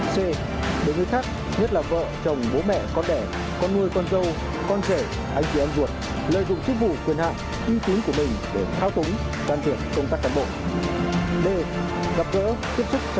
c đối với khác nhất là vợ chồng bố mẹ con đẻ con nuôi con dâu con rể anh chị em ruột